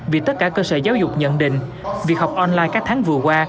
vì tất cả cơ sở giáo dục nhận định việc học online các tháng vừa qua